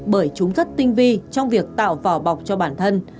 bởi chúng rất tinh vi trong việc tạo vỏ bọc cho bản thân